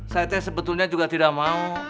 saya teh sebetulnya juga tidak mau